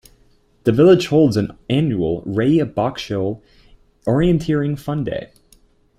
The village holds an annual "Ray Boxshall Orienteering Fun Day".